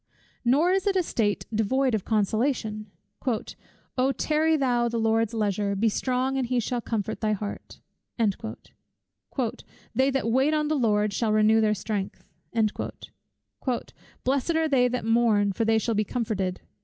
Nor is it a state devoid of consolation "O tarry thou the Lord's leisure, be strong and he shall comfort thy heart." "They that wait on the Lord, shall renew their strength." "Blessed are they that mourn, for they shall be comforted."